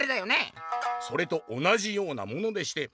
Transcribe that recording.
「それと同じようなものでして」。